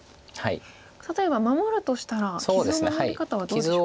例えば守るとしたら傷の守り方はどうでしょう？